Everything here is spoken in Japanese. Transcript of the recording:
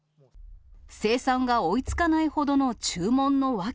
生産が追いつかないほどの注